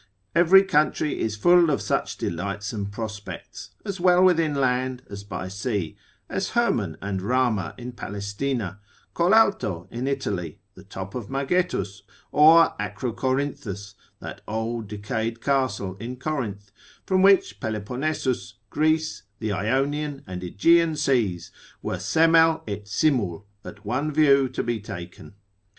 Every country is full of such delightsome prospects, as well within land, as by sea, as Hermon and Rama in Palestina, Colalto in Italy, the top of Magetus, or Acrocorinthus, that old decayed castle in Corinth, from which Peloponessus, Greece, the Ionian and Aegean seas were semel et simul at one view to be taken.